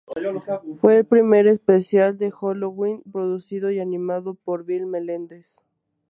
Fue el primer especial de Halloween producido y animado por Bill Melendez.